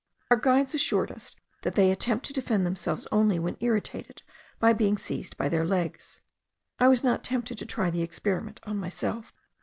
Our guides assured us that they attempt to defend themselves only when irritated by being seized by their legs. I was not tempted to try the experiment on myself.